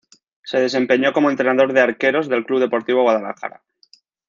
Se desempeñó como entrenador de arqueros del Club Deportivo Guadalajara.